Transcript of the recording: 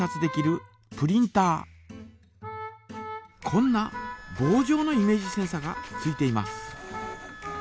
こんなぼうじょうのイメージセンサがついています。